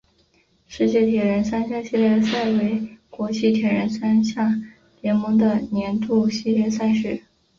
世界铁人三项系列赛为国际铁人三项联盟的年度系列赛事。